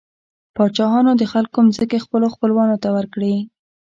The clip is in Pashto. پاچاهانو د خلکو ځمکې خپلو خپلوانو ته ورکړې.